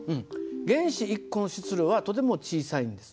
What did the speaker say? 原子１個の質量はとても小さいんです。